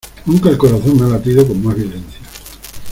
nunca el corazón me ha latido con más violencia.